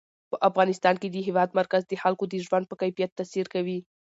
په افغانستان کې د هېواد مرکز د خلکو د ژوند په کیفیت تاثیر کوي.